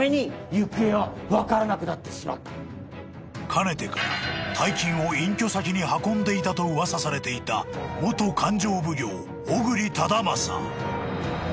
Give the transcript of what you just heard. ［かねてから大金を隠居先に運んでいたと噂されていた元勘定奉行小栗忠順］